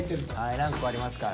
何個かありますから。